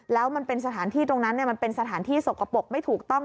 แล้วมันเป็นสถานที่ตรงนั้นมันเป็นสถานที่สกปรกไม่ถูกต้อง